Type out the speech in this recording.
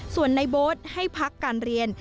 ส่วนในโบ๊ทให้พักการเรียน